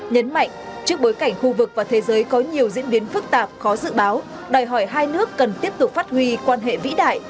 nhấn mạnh trước bối cảnh khu vực và thế giới có nhiều diễn biến phức tạp khó dự báo đòi hỏi hai nước cần tiếp tục phát huy quan hệ vĩ đại